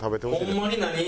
ホンマに何？